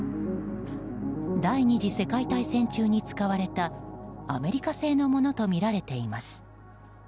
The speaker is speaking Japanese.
第２次世界大戦中に使われたアメリカ製のものとみられています。